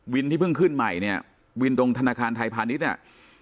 ที่เพิ่งขึ้นใหม่เนี่ยวินตรงธนาคารไทยพาณิชย์เนี่ย